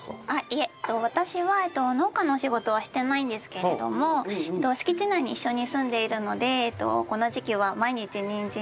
いえ私は農家のお仕事はしてないんですけれども敷地内に一緒に住んでいるのでこの時期は。